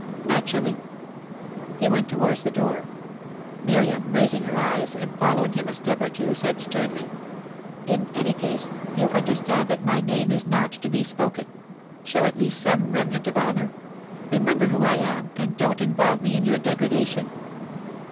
"Naturally." He went towards the door. Miriam, raising her eyes and following him a step or two, said sternly: "In any case, you understand that my name is not to be spoken. Show at least some remnant of honour. Remember who I am, and don't involve me in your degradation."